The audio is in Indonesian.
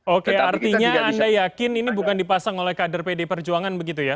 oke artinya anda yakin ini bukan dipasang oleh kader pdi perjuangan begitu ya